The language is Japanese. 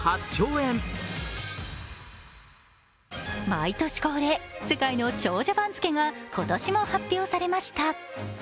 毎年恒例、世界の長者番付が今年も発表されました。